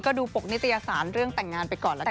ก็ดูปกนิตยสารเรื่องแต่งงานไปก่อนละกัน